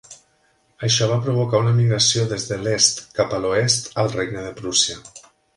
Això va provocar una migració des de l'est cap a l'oest al Regne de Prússia.